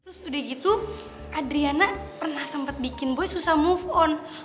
terus udah gitu adriana pernah sempat bikin boy susah move on